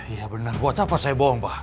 iya bener buat siapa saya bohong pak